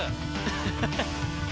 ハハハハ！